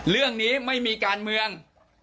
เรื่องนี้ไม่มีการเมือง